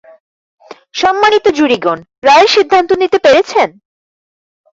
সম্মানিত জুরিগণ, রায়ের সিদ্ধান্ত নিতে পেরেছেন?